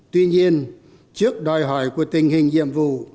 tuy nhiên trước đòi hỏi của tình hình nhiệm vụ